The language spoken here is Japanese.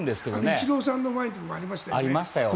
イチローさんの時にもありましたよね。